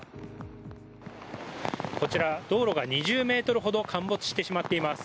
こちら、道路が２０ｍほど陥没してしまっています。